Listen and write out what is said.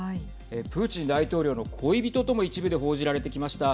プーチン大統領の恋人とも一部で報じられてきました